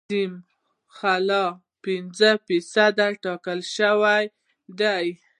اعظمي خلا پنځه فیصده ټاکل شوې ده